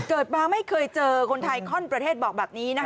เกิดมาไม่เคยเจอคนไทยข้อนประเทศบอกแบบนี้นะคะ